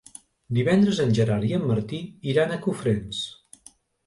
Divendres en Gerard i en Martí iran a Cofrents.